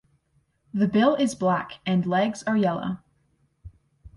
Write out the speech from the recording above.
The bill is black and legs are yellow.